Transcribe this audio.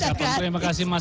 terima kasih mas